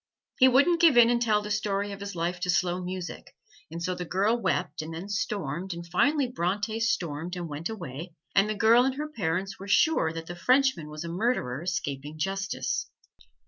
He wouldn't give in and tell the story of his life to slow music, and so the girl wept and then stormed, and finally Bronte stormed and went away, and the girl and her parents were sure that the Frenchman was a murderer escaping justice.